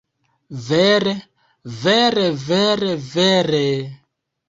Vere, vere vere vere...